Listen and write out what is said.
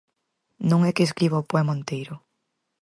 Non é que escriba o poema enteiro.